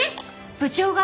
部長が？